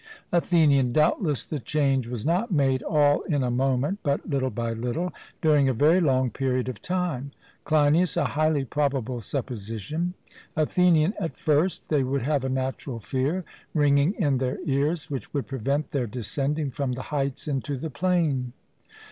ATHENIAN: Doubtless the change was not made all in a moment, but little by little, during a very long period of time. CLEINIAS: A highly probable supposition. ATHENIAN: At first, they would have a natural fear ringing in their ears which would prevent their descending from the heights into the plain.